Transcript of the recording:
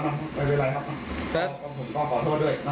ไม่เป็นไรครับผมก็ขอโทษด้วยนะครับ